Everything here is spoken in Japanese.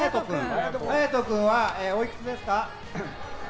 ハヤト君はおいくつですか？